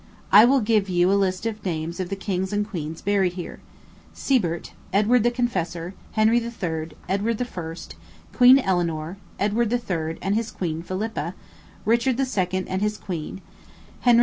I will just give you a list of names of the kings and queens buried here Sebert, Edward the Confessor, Henry III., Edward I., Queen Eleanor, Edward III. and his queen, Philippa, Richard II. and his queen, Henry V.